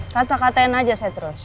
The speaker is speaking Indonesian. kata katain aja saya terus